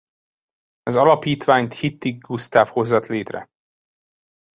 Az alapítványt Hittig Gusztáv hozat létre.